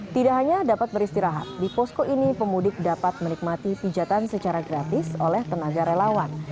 tidak hanya dapat beristirahat di posko ini pemudik dapat menikmati pijatan secara gratis oleh tenaga relawan